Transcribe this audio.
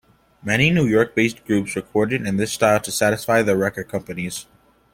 Many New York-based groups recorded in this style to satisfy their record companies.